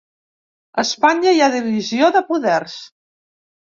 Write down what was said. A Espanya hi ha divisió de poders.